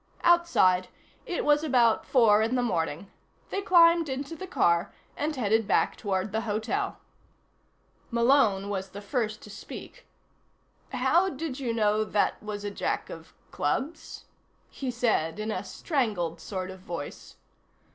Outside, it was about four in the morning. They climbed into the car and headed back toward the hotel. Malone was the first to speak. "How did you know that was a Jack of clubs?" he said in a strangled sort of voice.